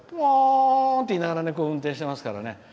ポー！って言いながら運転していますからね。